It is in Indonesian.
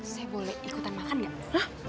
saya boleh ikutan makan gak murah